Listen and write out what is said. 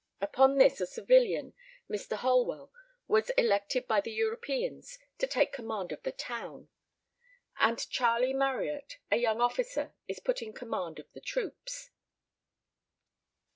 Upon this a civilian, Mr. Holwell, was elected by the Europeans to take command of the town, and Charlie Marryat, a young officer, is put in command of the troops.